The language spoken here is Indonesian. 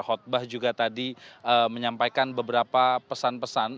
khutbah juga tadi menyampaikan beberapa pesan pesan